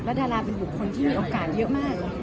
และดาราเป็นผู้คนที่มีโอกาสเยอะมาก